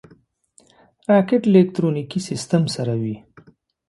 راکټ له الکترونیکي سیسټم سره وي